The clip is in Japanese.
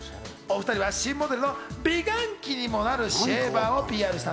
お２人は新モデルの美顔器にもなるシェーバーをＰＲしました。